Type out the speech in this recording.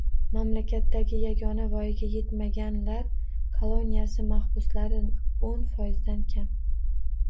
Mamlakatdagi yagona voyaga etmaganlar koloniyasi mahbuslari o'n foizdan kam.